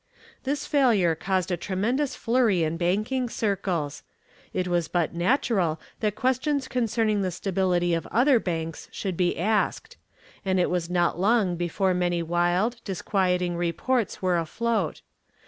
This failure caused a tremendous flurry in banking circles. It was but natural that questions concerning the stability of other banks should be asked, and it was not long before many wild, disquieting reports were afloat.